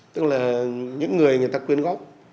tức là những người người ta quyên góp